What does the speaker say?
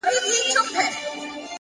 هره لاسته راوړنه د هڅې عکس دی،